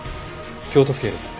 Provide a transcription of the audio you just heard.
京都府警です。